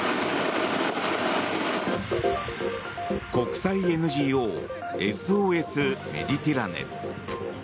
国際ＮＧＯＳＯＳメディテラネ。